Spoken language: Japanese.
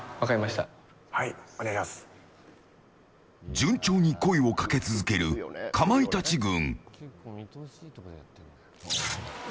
順調に声をかけ続けるかまいたち軍。